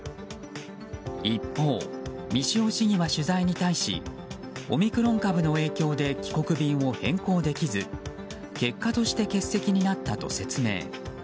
一方、三塩市議は取材に対しオミクロン株の影響で帰国便を変更できず結果として欠席になったと説明。